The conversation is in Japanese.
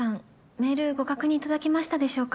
メールご確認いただけましたでしょうか。